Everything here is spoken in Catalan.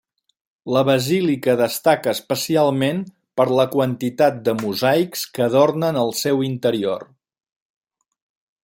La basílica destaca especialment per la quantitat de mosaics que adornen el seu interior.